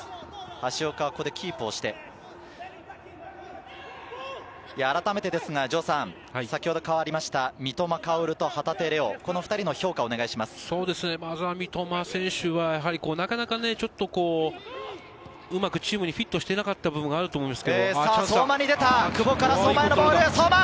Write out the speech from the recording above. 橋岡はここでキープして、あらためてですが、先ほど代わりました三笘薫と旗手怜央、この２まずは三笘選手は、なかなかちょっとチームにうまくフィットしていなかったという部分があると思うんですけど久保から相馬へのボール。